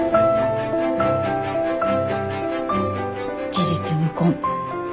事実無根。